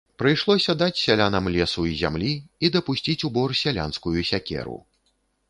Прыйшлося даць сялянам лесу і зямлі і дапусціць у бор сялянскую сякеру.